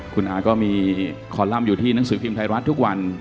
คุณอาก็มีคอลัมป์อยู่ที่หนังสือพิมพ์ไทยรัฐทุกวัน